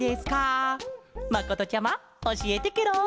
まことちゃまおしえてケロ。